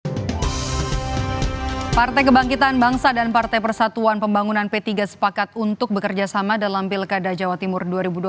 partai kebangkitan bangsa dan partai persatuan pembangunan p tiga sepakat untuk bekerjasama dalam pilkada jawa timur dua ribu dua puluh